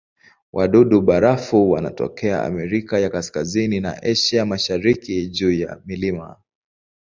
Wadudu-barafu wanatokea Amerika ya Kaskazini na Asia ya Mashariki juu ya milima.